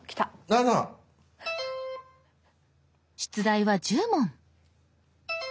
７！出題は１０問。